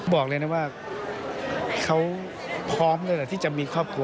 บอกเลยนะว่าเขาพร้อมนั่นแหละที่จะมีครอบครัว